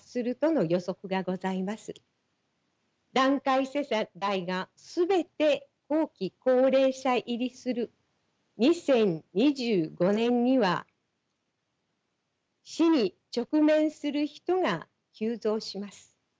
団塊世代が全て後期高齢者入りする２０２５年には死に直面する人が急増します。